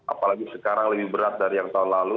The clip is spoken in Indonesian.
apalagi sekarang lebih berat dari yang tahun lalu